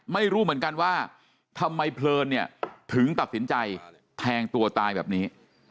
ไม่รู้เหมือนกันว่าทำไมเพลินเนี่ยถึงตัดสินใจแทงตัวตายแบบนี้